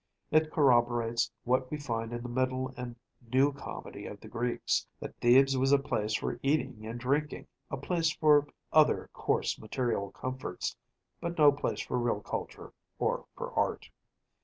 It corroborates what we find in the middle and new comedy of the Greeks, that Thebes was a place for eating and drinking, a place for other coarse material comforts‚ÄĒbut no place for real culture or for art.